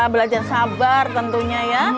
belajar sabar tentunya ya